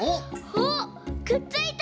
おっくっついた！